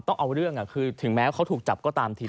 ต้องเอาเรื่องคือถึงแม้เขาถูกจับก็ตามที